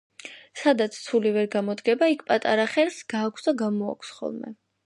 სადაც ცული ვერ გამოდგება, იქ პატარა ხერხს გააქვს და გამოაქვს ხოლმე